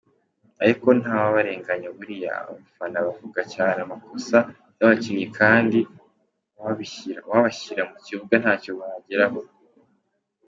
ariko ntawabarenganya buriya abafana bavuga cyane amakosa yabakinnyi kandi uwabashyira mukibuga ntacyo bageraho.